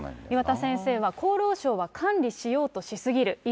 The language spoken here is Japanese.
岩田先生は厚労省は管理しようとし過ぎる。